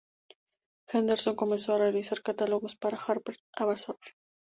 Henderson comenzó ha realizar catálogos para "Harper’s Bazaar".